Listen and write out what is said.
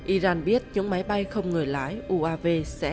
iran biết những máy bay không người lái uav sẽ